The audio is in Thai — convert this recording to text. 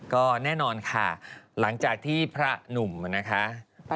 ก็แน่นอนค่ะหลังจากที่พระหนุ่มนะคะ